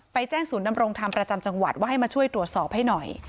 แจ้งศูนย์ดำรงธรรมประจำจังหวัดว่าให้มาช่วยตรวจสอบให้หน่อย